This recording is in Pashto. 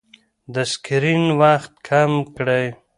د سکرین وخت کم کړئ.